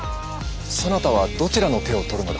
そなたはどちらの手を取るのだ。